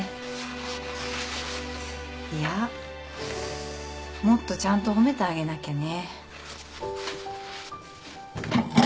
いやもっとちゃんと褒めてあげなきゃね。